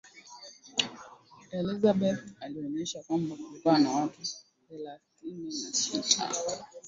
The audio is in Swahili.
elizabeth alionyesha kwamba kulikuwa na watu thelathini na sita